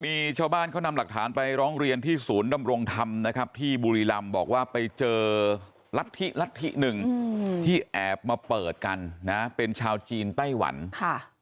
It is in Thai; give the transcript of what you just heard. มีชาวบ้านเขานำหลักฐานไปร้องเรียนที่ศูนย์ดำรงธรรมนะครับที่บุรีรำบอกว่าไปเจอรัฐธิรัฐธิหนึ่งที่แอบมาเปิดกันนะเป็นชาวจีนไต้หวันค่ะ